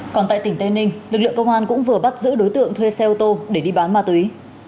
còn tại tỉnh tây ninh lực lượng công an cũng vừa bắt giữ đối tượng thuê xe ô tô để đi bán ma túy